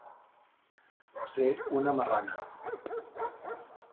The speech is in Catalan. Ser una marrana.